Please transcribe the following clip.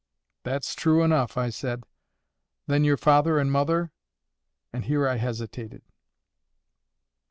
"That's true enough," I said. "Then your father and mother—?" And here I hesitated.